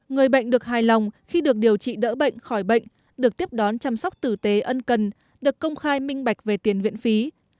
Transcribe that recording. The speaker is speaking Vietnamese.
người bệnh được hài lòng khi được điều trị đỡ bệnh khỏi bệnh được tiếp đón chăm sóc tử tế ân cần được công khai minh bạch về tiền viện phí